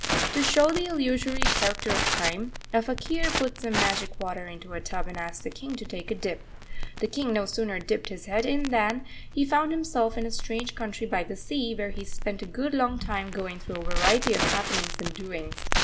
To show the illusory character of time, a faquir put some magic water into a tub and asked the King to take a dip. The King no sooner dipped his head in than he found himself in a strange country by the sea, where he spent a good long time going through a variety of happenings and doings.